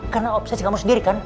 karena obsesi kamu sendiri kan